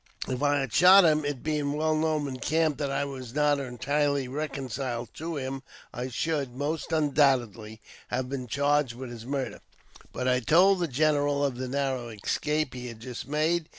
If I had shot him, it being well known in camp that I was not entirely reconciled to him, I should, most undoubtedly, have been charged with his murder. I told the general of the narrow escape he had just made.